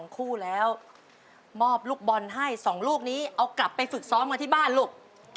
คู่แล้วมอบลูกบอลให้๒ลูกนี้เอากลับไปฝึกซ้อมกันที่บ้านลูก